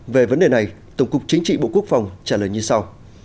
về vấn đề này tổng cục chính trị bộ quốc phòng trả lời như sau